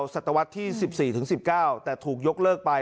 ศตวรรษที่๑๔ถึง๑๙แต่ถูกยกเลิกไป